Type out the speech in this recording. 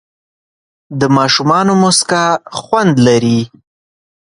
د ماشومانو موسکا خوند لري.